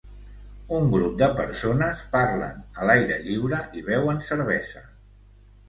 Un grup de persones parlen a l'aire lliure i beuen cervesa.